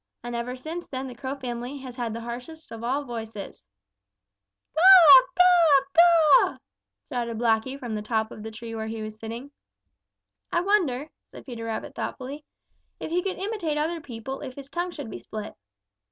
And ever since then the Crow family has had the harshest of all voices." "Caw, caw, caw!" shouted Blacky from the top of the tree where he was sitting. "I wonder," said Peter Rabbit thoughtfully, "if he could imitate other people if his tongue should be split."